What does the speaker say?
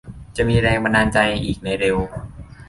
จะมีแรงบันดาลใจอีกในเร็ว